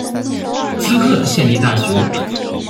滋贺县立大学